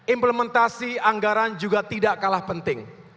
implementasi anggaran juga tidak kalah penting